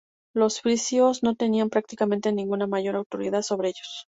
Los frisios no tenían prácticamente ninguna mayor autoridad sobre ellos.